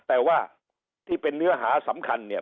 แต่ว่าที่เป็นเนื้อหาสำคัญเนี่ย